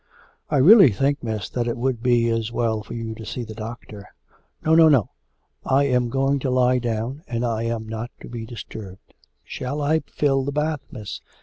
'I really think, Miss, that it would be as well for you to see the doctor.' 'No, no, no. I am going to lie down, and I am not to be disturbed.' 'Shall I fill the bath, Miss?